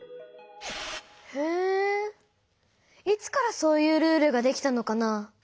へえいつからそういうルールができたのかな？